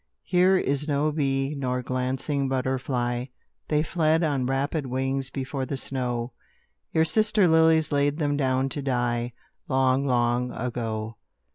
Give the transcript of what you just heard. Here is no bee nor glancing butterfly; They fled on rapid wings before the snow: Your sister lilies laid them down to die, Long, long ago.